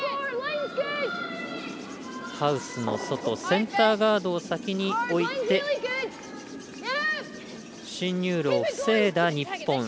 ハウスの外センターガードを先に置いて進入路を防いだ日本。